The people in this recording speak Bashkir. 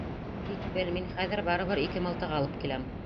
Тик бел: мин хәҙер барыбер ике мылтыҡ алып киләм!